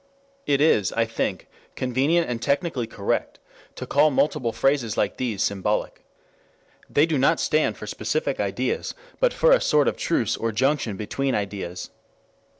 It is, I think, convenient and technically correct to call multiple phrases like these symbolic. They do not stand for specific ideas, but for a sort of truce or junction between ideas.